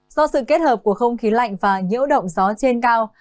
do sự kết hợp của không khí lạnh và nhiễu động gió trên cao